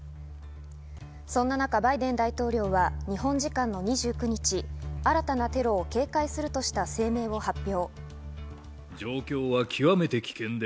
そんな中、バイデン大統領は日本時間２９日、新たなテロを警戒するとした声明を発表。